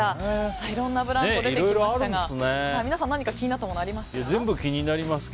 いろんなブランコ出てきましたが皆さん、何か気になったものありますか？